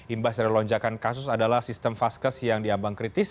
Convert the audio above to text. imbas dari lonjakan kasus adalah sistem faskes yang diambang kritis